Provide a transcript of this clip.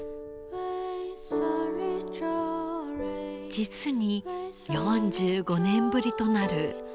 実に４５年ぶりとなる新たな塔。